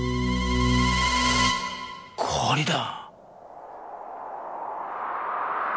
氷だ。